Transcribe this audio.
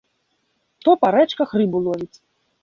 То па рэчках рыбу ловіць.